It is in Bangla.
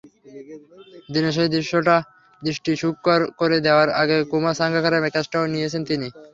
দিনের শেষ দৃশ্যটা দৃষ্টিসুখকর করে দেওয়ার আগে কুমার সাঙ্গাকারার ক্যাচটাও নিয়েছেন তিনিই।